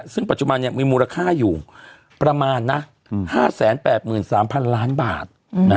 ซึ่งปัจจุบันมีมูลค่าอยู่ประมาณ๕๘๓๐๐๐ล้านบาท